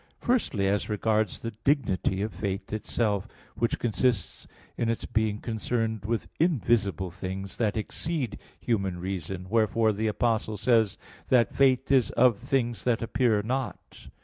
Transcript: Firstly, as regards the dignity of faith itself, which consists in its being concerned with invisible things, that exceed human reason; wherefore the Apostle says that "faith is of things that appear not" (Heb.